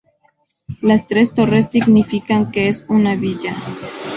Las tres torres significan que es una villa.